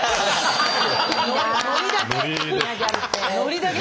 ノリだけ。